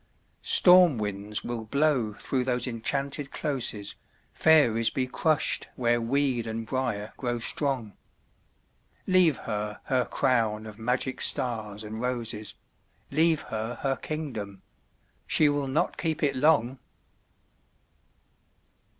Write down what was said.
Storm winds will blow through those enchanted closes, Fairies be crushed where weed and briar grow strong ... Leave her her crown of magic stars and roses, Leave her her kingdom—she will not keep it long!